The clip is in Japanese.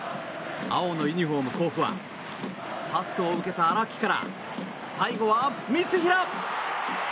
青のユニホーム、甲府はパスを受けた荒木から最後は三平。